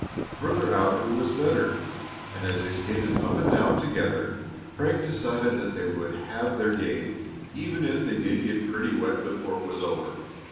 Farther out it was better, and as they skated up and down together Frank decided that they would have their game even if they did get pretty wet before it was over.